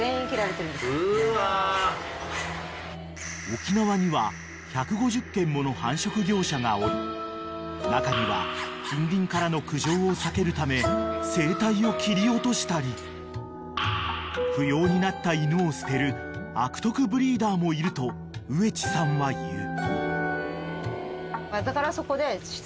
［沖縄には１５０軒もの繁殖業者がおり中には近隣からの苦情を避けるため声帯を切り落としたり不要になった犬を捨てる悪徳ブリーダーもいると上地さんは言う］